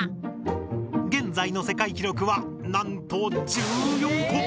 現在の世界記録はなんと１４個！